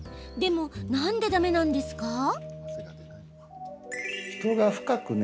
でも、なんでだめなんですか？